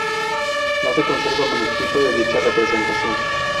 No se conserva manuscrito de dicha representación.